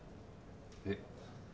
えっ？